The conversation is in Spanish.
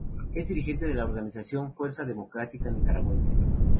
Es dirigente de la organización Fuerza Democrática Nicaragüense.